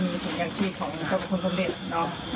มีถุงยังชีสของเจ้าพระคุณสมเด็จ